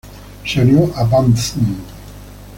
Se unió a Bang Zoom!